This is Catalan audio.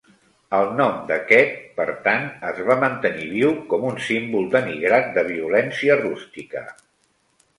El nom de Kett, per tant, es va mantenir viu com un "símbol denigrat de violència rústica".